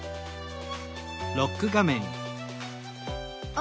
あ。